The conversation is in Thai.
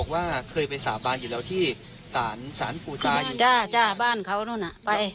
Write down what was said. เราไปสาบานแล้วคะ